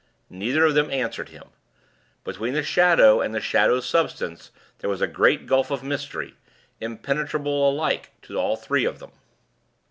Neither of them answered him. Between the shadow and the shadow's substance there was a great gulf of mystery, impenetrable alike to all three of them.